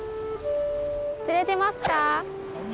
釣れてますか？